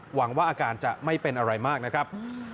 หวังว่าอาการจะไม่เป็นอะไรมากนะครับ